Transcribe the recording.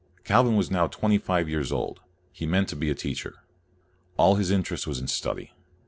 Calvin was now twenty five years old. He meant to be a teacher. All his interest was in study.